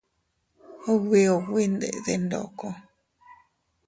Ubi ubi ndede ndoko.